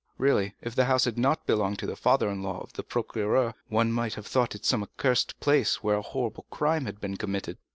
Really, if the house had not belonged to the father in law of the procureur, one might have thought it some accursed place where a horrible crime had been committed."